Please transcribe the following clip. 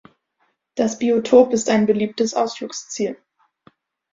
Das Biotop ist ein beliebtes Ausflugsziel.